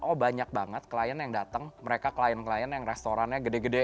oh banyak banget klien yang datang mereka klien klien yang restorannya gede gede